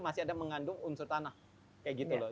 masih ada mengandung unsur tanah kayak gitu loh